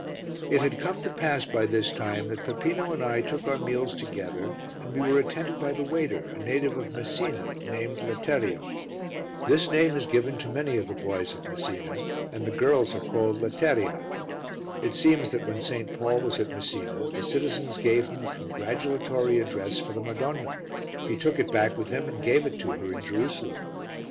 It had come to pass by this time that Peppino and I took our meals together and we were attended by the waiter, a native of Messina, named Letterio. This name is given to many of the boys of Messina, and the girls are called Letteria. It seems that when St. Paul was at Messina the citizens gave him a congratulatory address for the Madonna; he took it back with him and gave it to her in Jerusalem.